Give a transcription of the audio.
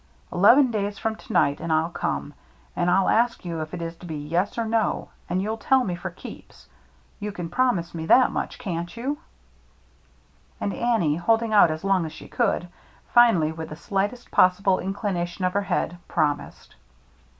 Eleven days from to night — and I'll come — and I'll ask you if it is to be yes or no — and you'll tell me for keeps. You can promise me that much, can't you ?" And Annie, holding out as long as she could, finally, with the slightest possible incli nation of her head, promised.